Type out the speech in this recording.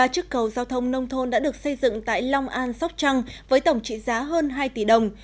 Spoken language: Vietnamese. ba chiếc cầu giao thông nông thôn đã được xây dựng tại long an sóc trăng với tổng trị giá hơn hai tỷ đồng